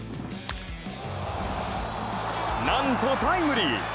なんと、タイムリー！